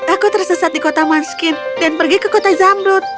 aku tersesat di kota munskin dan pergi ke kota zamrut